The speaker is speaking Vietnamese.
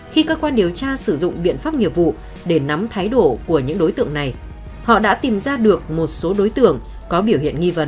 khi cơ quan điều tra sử dụng biện pháp nghiệp vụ để nắm thái độ của những đối tượng này họ đã tìm ra được một số đối tượng có biểu hiện nghi vấn